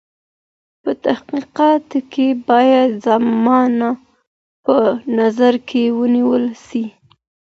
په تحقیق کې باید زمانه په نظر کې ونیول سي.